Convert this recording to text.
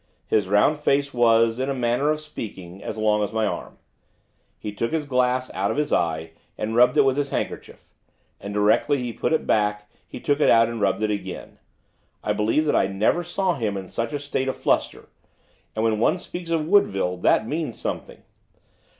His round face was, in a manner of speaking, as long as my arm. He took his glass out of his eye, and rubbed it with his handkerchief, and directly he put it back he took it out and rubbed it again. I believe that I never saw him in such a state of fluster, and, when one speaks of Woodville, that means something.